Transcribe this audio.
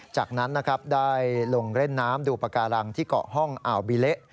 จากนั้นนะครับได้ลงเล่นน้ำดูปากการังที่เกาะห้องอ่าวบีเละ